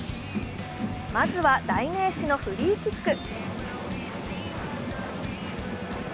まずは代名詞のフリーキック。